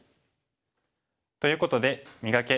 ということで「磨け！